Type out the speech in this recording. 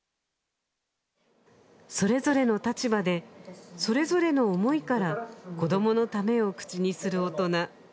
それぞれの立場でそれぞれの思いから「子どものため」を口にする大人